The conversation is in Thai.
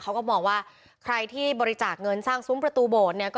เขาก็มองว่าใครที่บริจาคเงินสร้างซุ้มประตูโบสถ์เนี่ย